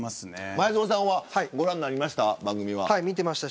前園さんはご覧になりましたか。見てました。